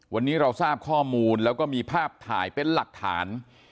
วันนี้เราทราบข้อมูลแล้วก็มีภาพถ่ายเป็นหลักฐาน